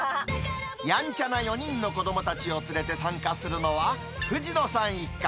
やんちゃな４人の子どもたちを連れて参加するのは、藤野さん一家。